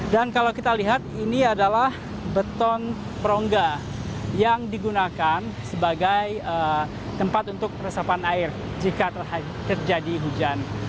dan kalau kita lihat ini adalah beton perongga yang digunakan sebagai tempat untuk resapan air jika terjadi hujan